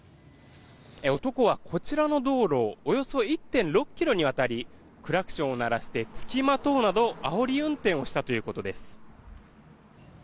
男はこちらの道路でおよそ１．６ｋｍにわたりクラクションを鳴らして付きまとうなどあおり運転をしたということです。